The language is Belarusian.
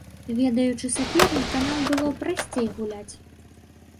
Ведаючы саперніка, нам было прасцей гуляць.